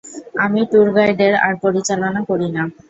আমি ট্যুর গাইডের আর পরিচালনা করি না।